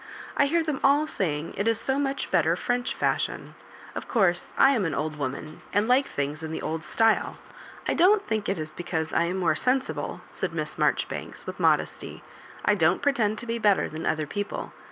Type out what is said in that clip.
I hear them all saying it is so much better French fisishion. Of course, I am an old woman, and like things in the old style." *'I don't think it is because I am more sensible," said Miss Marjoribanks, with modesty. "I don't pretend to be better than other peo ple.